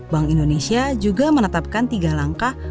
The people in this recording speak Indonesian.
bank indonesia juga menetapkan tiga langkah